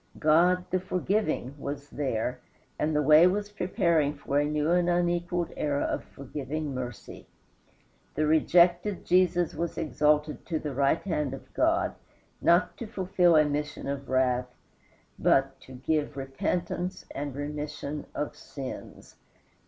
God, the forgiving, was there, and the way was preparing for a new and unequaled era of forgiving mercy. The rejected Jesus was exalted to the right hand of God, not to fulfill a mission of wrath, but to "give repentance and remission of sins."